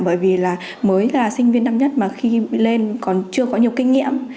bởi vì là mới là sinh viên năm nhất mà khi lên còn chưa có nhiều kinh nghiệm